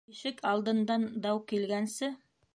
Ишек алдындан дау килгәнсе.